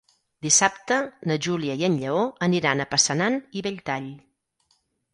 Dissabte na Júlia i en Lleó aniran a Passanant i Belltall.